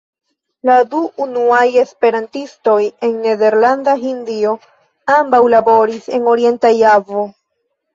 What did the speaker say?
La du unuaj esperantistoj en Nederlanda Hindio ambaŭ laboris en Orienta Javo.